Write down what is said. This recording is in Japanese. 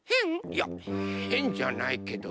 いやへんじゃないけど。